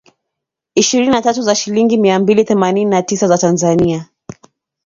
Ishirini na tatu na shilingi mia mbili themanini na tisa za Tanzania.